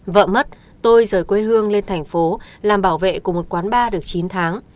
vợ mất tôi rời quê hương lên thành phố làm bảo vệ của một quán bar được chín tháng